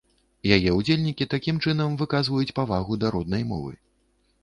Яе ўдзельнікі такім чынам выказваюць павагу да роднай мовы.